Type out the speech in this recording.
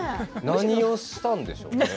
何をしたんでしょうね。